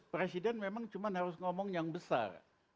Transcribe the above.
presiden memang cuma harus ngomong yang besar